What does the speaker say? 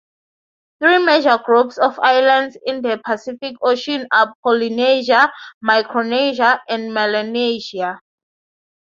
Three major groups of islands in the Pacific Ocean are Polynesia, Micronesia and Melanesia.